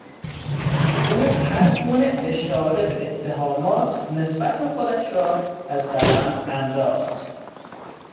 او هر گونه اشاره به اتهامات نسبت به خودش را از قلم انداخت.